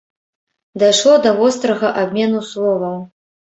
Дайшло да вострага абмену словаў.